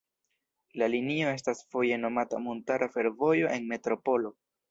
La linio estas foje nomata Montara Fervojo en Metropolo.